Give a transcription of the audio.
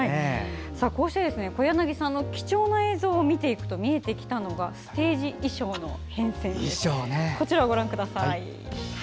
こうして小柳さんの貴重な映像を見ていくと見えてきたのがステージ衣装の変遷です。